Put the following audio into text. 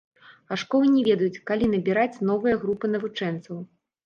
А школы не ведаюць, калі набіраць новыя групы навучэнцаў.